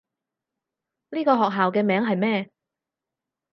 呢個學校嘅名係咩？